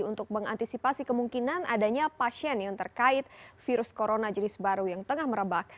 untuk mengantisipasi kemungkinan adanya pasien yang terkait virus corona jenis baru yang tengah merebak